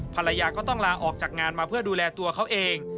ภรรยาก็ต้องลาออกจากงานมาเพื่อดูแลตัวเขาเอง